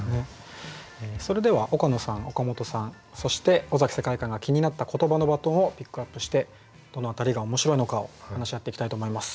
それでは岡野さん岡本さんそして尾崎世界観が気になったことばのバトンをピックアップしてどの辺りが面白いのかを話し合っていきたいと思います。